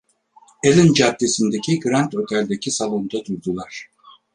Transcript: Allen Caddesi’ndeki Grand Otel’deki salonda durdular.